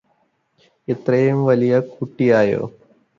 ഇത്രെയും വലിയ കുട്ടിയായോ